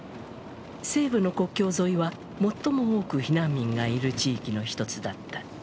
西部の国境沿いは最も多く避難民がいる地域の１つだった。